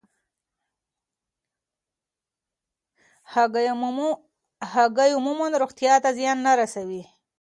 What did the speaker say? هګۍ عموماً روغتیا ته زیان نه رسوي.